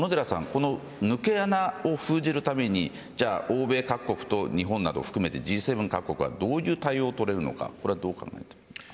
この抜け穴を封じるために欧米各国と日本などを含めてＧ７各国はどういう対応をとれるのか、考えてますか。